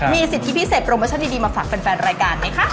มีสิทธิพิเศษโปรโมชั่นดีมาฝากแฟนรายการไหมคะ